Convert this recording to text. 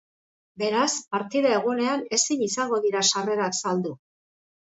Beraz, partida egunean ezin izango dira sarrerak saldu.